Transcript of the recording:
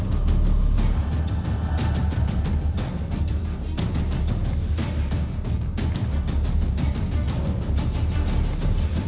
มันต้องกลับไปแล้ว